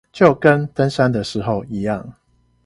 就跟登山的時候一樣